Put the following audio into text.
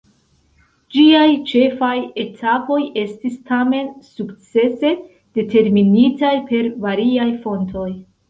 Ĝiaj ĉefaj etapoj estis tamen sukcese determinitaj per variaj fontoj.